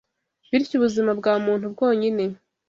Bityo ubuzima bwa muntu bwonyine